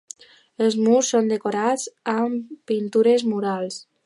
Els murs són decorats amb pintures murals.